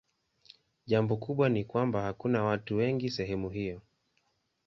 Jambo kubwa ni kwamba hakuna watu wengi sehemu hiyo.